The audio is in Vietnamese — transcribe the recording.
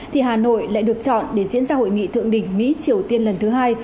thì hà nội lại được chọn để diễn ra hội nghị thượng đỉnh mỹ triều tiên lần thứ hai